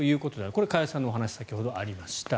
これは加谷さんのお話に先ほどありました。